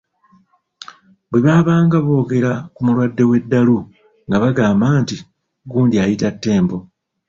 Bwe baabanga bayogera ku mulwadde w'eddalu nga bagamba nti gundi ayita Ttembo.